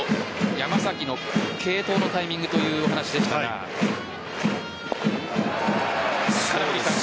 山崎の継投のタイミングというお話でした、黒田さん。